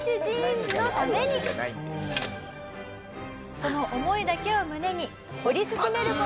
その思いだけを胸に掘り進める事３カ月。